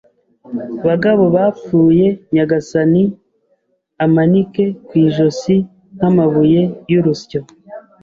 bagabo bapfuye, nyagasani, umanike ku ijosi nk'amabuye y'urusyo. ”